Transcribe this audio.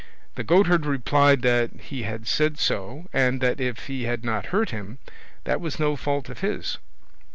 The goatherd replied that he had said so, and that if he had not heard him, that was no fault of his.